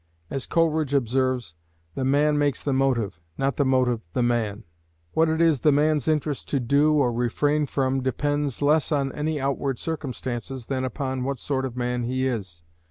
As Coleridge observes, the man makes the motive, not the motive the man. What it is the man's interest to do or refrain from depends less on any outward circumstances than upon what sort of man he is.